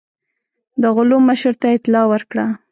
د غلو مشر ته اطلاع ورکړه.